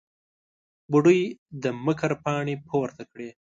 بوډۍ د مکر پاڼې پورته کړې.